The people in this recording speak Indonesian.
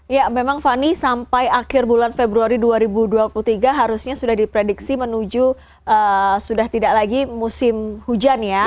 ya memang fani sampai akhir bulan februari dua ribu dua puluh tiga harusnya sudah diprediksi menuju sudah tidak lagi musim hujan ya